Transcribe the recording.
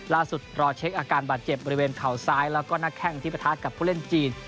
รอเช็คอาการบาดเจ็บบริเวณเข่าซ้ายแล้วก็นักแข้งที่ประทะกับผู้เล่นจีน